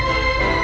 udah mati wright